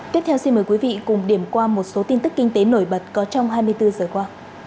tiếp theo xin mời quý vị cùng điểm qua một số tin tức kinh tế nổi bật có trong hai mươi bốn giờ qua